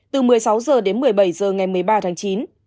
từ một mươi sáu h đến một mươi bảy h ngày một mươi ba tháng chín